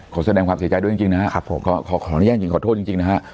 ขอแสดงความเสียใจด้วยจริงนะฮะขอแน่นจริงขอโทษจริงนะฮะ